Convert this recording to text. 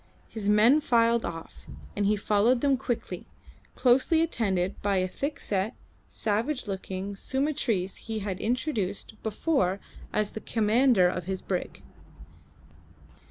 His men filed off, and he followed them quickly, closely attended by a thick set, savage looking Sumatrese he had introduced before as the commander of his brig.